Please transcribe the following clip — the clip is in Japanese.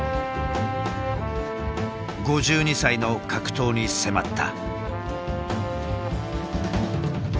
５２歳の格闘に迫った。